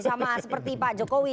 sama seperti pak jokowi